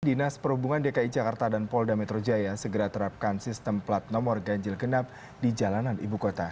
dinas perhubungan dki jakarta dan polda metro jaya segera terapkan sistem plat nomor ganjil genap di jalanan ibu kota